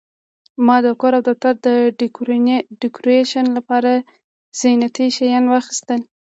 ما د کور او دفتر د ډیکوریشن لپاره زینتي شیان واخیستل.